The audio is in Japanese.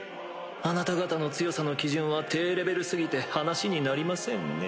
あなた方の強さの基準は低レベル過ぎて話になりませんね。